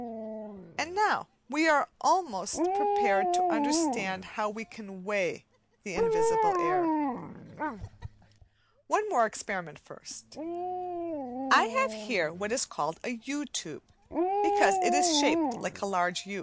And now we are almost prepared to understand how we can weigh the invisible air. One more experiment first. I have here what is called a U tube, because it is shaped like a large U.